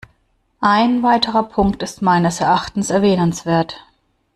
Ein weiterer Punkt ist meines Erachtens erwähnenswert.